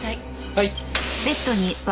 はい。